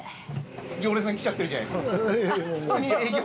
常連さん来ちゃってるじゃないですか。